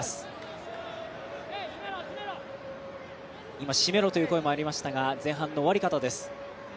今、締めろという声も出ましたが、前半の終わり方です。